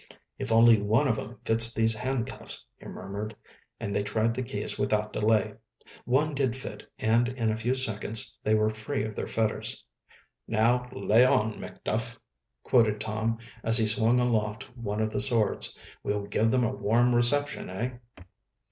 "If only one of 'em fits these handcuffs," he murmured, and they tried the keys without delay. One did fit, and in a few seconds they were free of their fetters. "Now 'lay on, MacDuff!'" quoted Tom, as he swung aloft one of the swords. "We'll give them a warm reception, eh?"